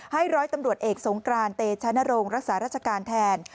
ร้อยตำรวจเอกสงกรานเตชนรงค์รักษาราชการแทน